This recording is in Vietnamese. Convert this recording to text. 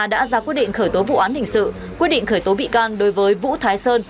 đã ra quyết định khởi tố vụ án hình sự quyết định khởi tố bị can đối với vũ thái sơn